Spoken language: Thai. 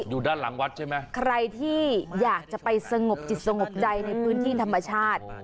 อยู่ด้านหลังวัดใช่ไหมใครที่อยากจะไปสงบจิตสงบใจในพื้นที่ธรรมชาติ